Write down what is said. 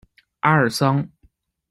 阿尔桑。